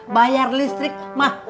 bayar listrik mahal